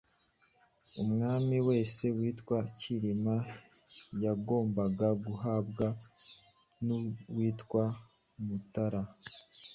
umwami wese witwa Cyilima yagombaga guhambwa n'uwitwa Mutara